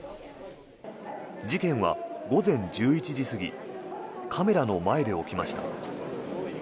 事件は午前１１時過ぎカメラの前で起きました。